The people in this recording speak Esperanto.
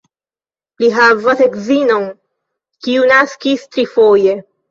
Li havas edzinon, kiu naskis trifoje.